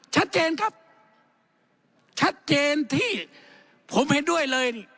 ชัดเจนครับชัดเจนที่ผมเห็นด้วยเลย